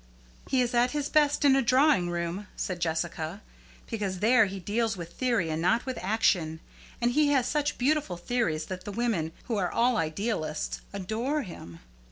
"He is at his best in a drawing room," said Jessica, "because there he deals with theory and not with action. And he has such beautiful theories that the women, who are all idealists, adore him."